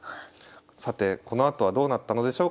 さてこのあとはどうなったのでしょうか。